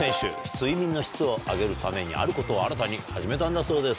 睡眠の質を上げるためにあることを新たに始めたんだそうです。